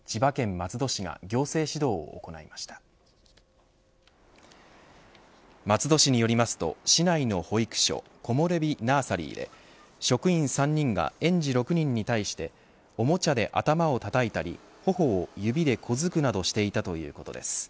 松戸市によりますと市内の保育所コモレビ・ナーサリーで職員３人が園児６人に対しておもちゃで頭をたたいたり頬を指で小突くなどしていたということです。